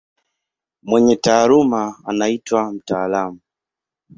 Mwenye taaluma anaitwa mtaalamu.